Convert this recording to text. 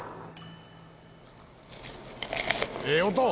「ええ音！」